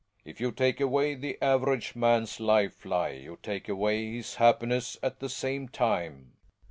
If you take away the average man's life lie you take away his happiness at the same time.